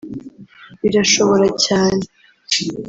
birashobora cyane”